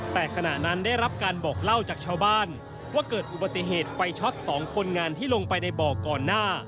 แต่ขณะนั้นได้รับการบอกเล่าจากชาวบ้านว่าเกิดอุบัติเหตุไฟช็อตสองคนงานที่ลงไปในบ่อก่อนหน้า